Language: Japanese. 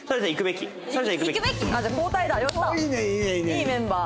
いいメンバー。